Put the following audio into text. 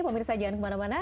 pemirsa jangan kemana mana